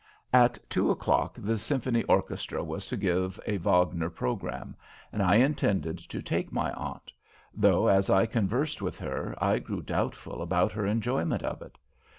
At two o'clock the Symphony Orchestra was to give a Wagner program, and I intended to take my aunt; though, as I conversed with her, I grew doubtful about her enjoyment of it.